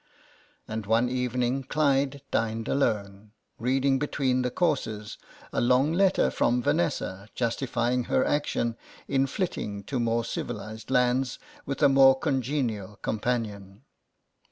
And one evening Clyde dined alone, reading between the courses a long letter from Vanessa, justifying her action in flitting to more civilised lands with a more congenial companion.